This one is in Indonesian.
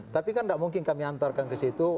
tapi kan tidak mungkin kami antarkan ke situ